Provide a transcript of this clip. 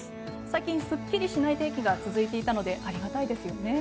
最近、すっきりしない天気が続いていたのでありがたいですよね。